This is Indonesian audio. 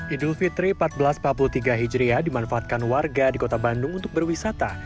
idul fitri seribu empat ratus empat puluh tiga hijriah dimanfaatkan warga di kota bandung untuk berwisata